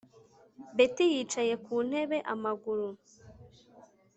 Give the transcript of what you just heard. Betty yicaye ku ntebe amaguru